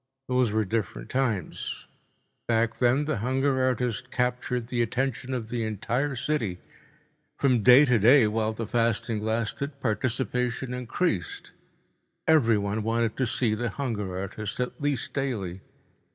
Those were different times. Back then the hunger artist captured the attention of the entire city. From day to day while the fasting lasted, participation increased. Everyone wanted to see the hunger artist at least daily.